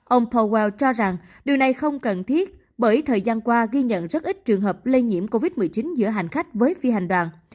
ông powell cho rằng điều này không cần thiết bởi thời gian qua ghi nhận rất ít trường hợp lây nhiễm covid một mươi chín giữa hành khách với phi hành đoàn